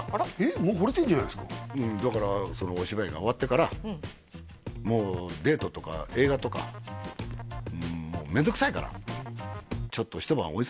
もうほれてんじゃないですかうんだからそのお芝居が終わってからもうデートとか映画とか面倒くさいからちょっとやだやだ怖いよ！